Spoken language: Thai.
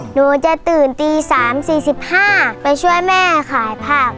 หนูจะตื่นตี๓๔๕ไปช่วยแม่ขายผัก